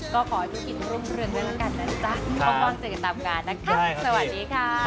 ก็ขอให้พี่กินร่วมเรื่องนั้นแล้วกันนะจ๊ะพ่อพ่อเจอกันตามงานนะคะ